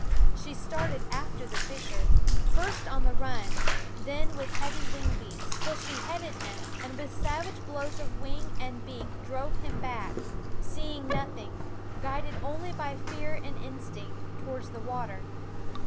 She started after the fisher, first on the run, then with heavy wing beats, till she headed him and with savage blows of wing and beak drove him back, seeing nothing, guided only by fear and instinct, towards the water.